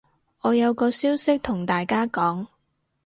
我有個消息同大家講